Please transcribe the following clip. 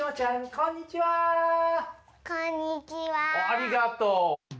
ありがとう。